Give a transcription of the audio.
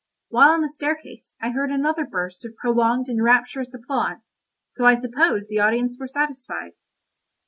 While on the staircase, I heard another burst of prolonged and rapturous applause, so I suppose the audience were satisfied.